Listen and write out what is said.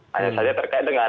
hanya saja terkait dengan